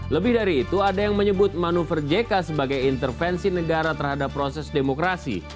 lebih dari itu ada yang menyebut manuver jk sebagai intervensi negara terhadap proses demokrasi